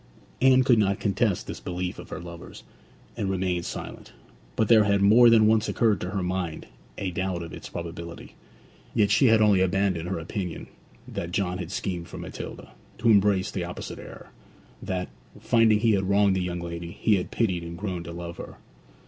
Anne could not contest this belief of her lover's, and remained silent; but there had more than once occurred to her mind a doubt of its probability. Yet she had only abandoned her opinion that John had schemed for Matilda, to embrace the opposite error; that, finding he had wronged the young lady, he had pitied and grown to love her.